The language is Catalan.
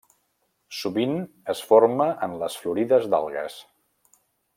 Sovint es forma en les florides d'algues.